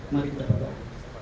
mari kita berdoa